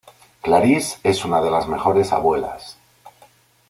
Clarisse es una de las mejores abuelas.